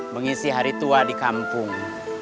mengisi hari tua di kampung